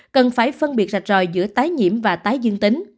cần phải phân biệt rạch ròi giữa tái nhiễm và tái dương tính